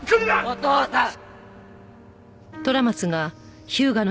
お父さん！